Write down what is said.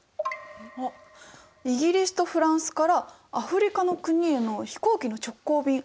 イギリスとフランスからアフリカの国への飛行機の直行便。